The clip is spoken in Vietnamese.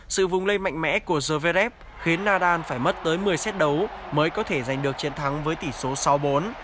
sự vùng lây mạnh mẽ của zverev khiến nadal phải mất tới một mươi set đấu mới có thể giành được chiến thắng với tỷ số sáu bốn